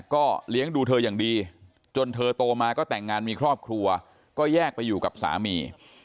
ก็เลี้ยงดูเธออย่างดีจนเธอโตมาก็แต่งงานมีครอบครัวก็แยกไปอยู่กับสามี